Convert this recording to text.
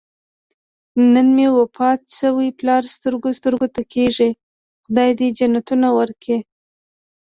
نن مې وفات شوی پلار سترګو سترګو ته کېږي. خدای دې جنتونه ورکړي.